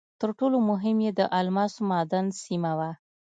تر ټولو مهم یې د الماسو معدن سیمه وه.